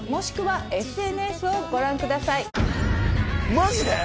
マジで！？